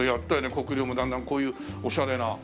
国領もだんだんこういうオシャレな。